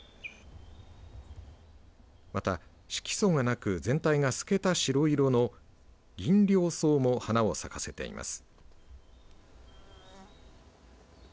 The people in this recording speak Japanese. また色素はなく全体が透けた白色のギンリョウソウも花を咲かせています。